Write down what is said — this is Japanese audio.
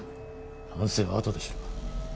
反省はあとでしろ。